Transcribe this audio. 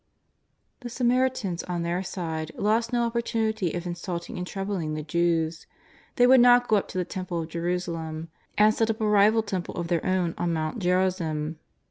'' The Samaritans on their side lost no opportunity of insulting and troubling the Jews. They would not go up to the Temple of Jerusalem, and set up a rival tem ple of their own on Mount Gerazim.